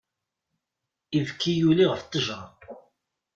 Ibki yuli ɣef ttejra.